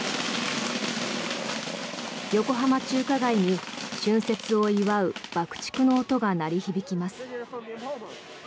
横浜中華街に春節を祝う爆竹の音が鳴り響きます。